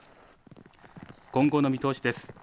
今後の見通しです。